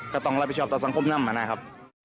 ก็ต้องรับผิดชอบต่อสังคมนำมานะครับ